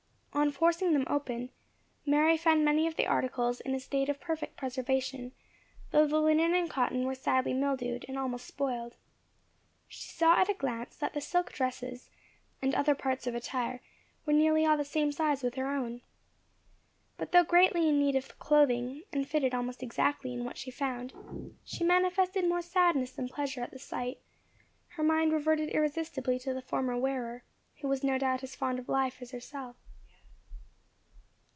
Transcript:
On forcing them open, Mary found many of the articles in a state of perfect preservation; though the linen and cotton were sadly mildewed, and almost spoiled. She saw at a glance that the silk dresses, and other parts of attire, were nearly all the same size with her own. But though greatly in need of clothing, and fitted almost exactly in what she found, she manifested more sadness than pleasure at the sight; her mind reverted irresistibly to the former wearer, who was no doubt as fond of life as herself.